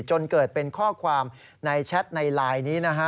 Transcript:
จนเกิดเป็นข้อความในแชทในไลน์นี้นะฮะ